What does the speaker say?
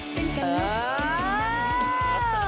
สวัสดีครับ